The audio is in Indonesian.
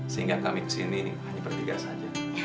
sehingga kami kesini hanya bertiga saja